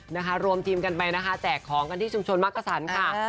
นะคะรวมทีมกันไปนะคะแจกของกันที่ชุมชนมักกษันค่ะ